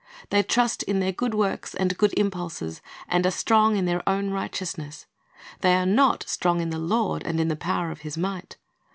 They trust in their good works and good impulses, and are strong in their own righteousness. They are not strong in the Lord, and in the power of His might.